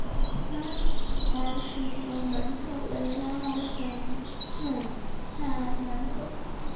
拉尔什的南侧为拉尔什圣塞尔南。